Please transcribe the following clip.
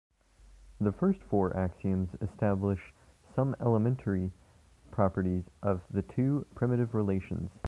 The first four axioms establish some elementary properties of the two primitive relations.